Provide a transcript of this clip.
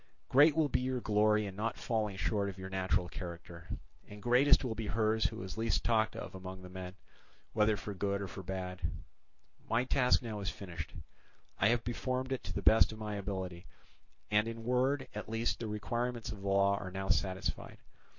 Great will be your glory in not falling short of your natural character; and greatest will be hers who is least talked of among the men, whether for good or for bad. "My task is now finished. I have performed it to the best of my ability, and in word, at least, the requirements of the law are now satisfied.